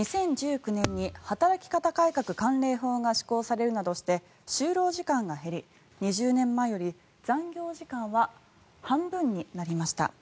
２０１９年に働き方改革関連法が施行されるなどして就労時間が減り２０年前より残業時間は半分になりました。